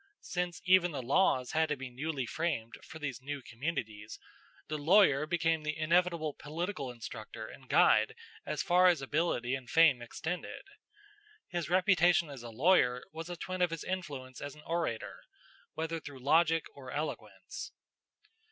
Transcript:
Since even the laws had to be newly framed for those new communities, the lawyer became the inevitable political instructor and guide as far as ability and fame extended. His reputation as a lawyer was a twin of his influence as an orator, whether through logic or eloquence.